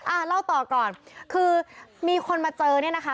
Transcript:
เล่าต่อก่อนคือมีคนมาเจอเนี่ยนะคะ